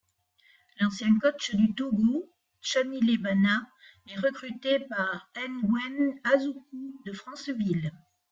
L’ancien coach du Togo, Tchanilé Banna est recruté par Nguen’Asuku de Franceville.